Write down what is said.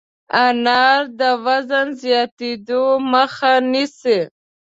انار د وزن زیاتېدو مخه نیسي.